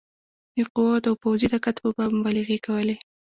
د قوت او پوځي طاقت په باب مبالغې کولې.